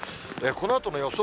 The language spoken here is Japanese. このあとの予想